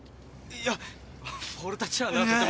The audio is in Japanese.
いや俺たちはなとても。